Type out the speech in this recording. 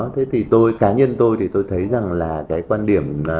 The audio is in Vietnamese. thế thì tôi cá nhân tôi thì tôi thấy rằng là cái quan điểm